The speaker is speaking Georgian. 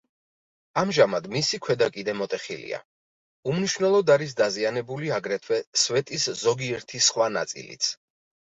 ამჟამად მისი ქვედა კიდე მოტეხილია; უმნიშვნელოდ არის დაზიანებული, აგრეთვე, სვეტის ზოგიერთი სხვა ნაწილიც.